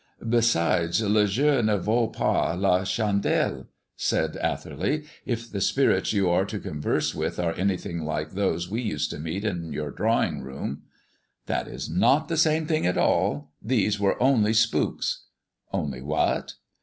"Besides, le jeu ne vaut pas la chandelle," said Atherley, "if the spirits you are to converse with are anything like those we used to meet in your drawing room." "That is not the same thing at all; these were only spooks." "Only what?"